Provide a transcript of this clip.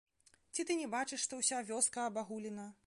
Ці ты не бачыш, што ўся вёска абагулена?